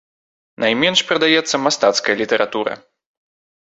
Найменш прадаецца мастацкая літаратура.